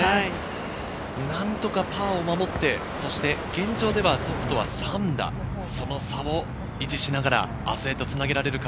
何とかパーをもぎ取って、現状ではトップとは３打、その差を維持しながら、明日へとつなげられるか？